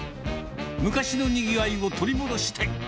昔のにぎわいを取り戻したい。